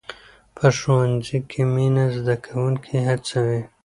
په ښوونځي کې مینه زده کوونکي هڅوي.